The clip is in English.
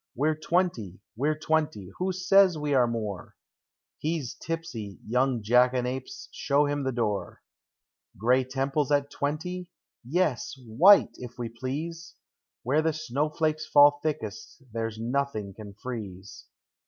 We're twenty! We're twenty! Who says we are more? ne 's tipsy, — young jackanapes! — show him the door ! "(•ray temples at twenty?" — Yes! white, if we please; Where the snow flakes fall thickest there's noth ing can freeze!